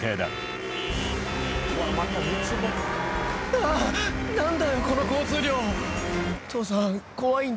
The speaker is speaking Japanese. あぁ何だよこの交通量。